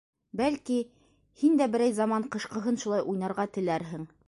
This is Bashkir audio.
Бәлки, һин дә берәй заман ҡышҡыһын шулай уйнарға теләрһең?